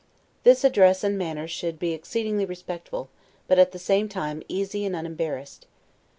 This address and manner should be exceedingly respectful, but at the same time easy and unembarrassed.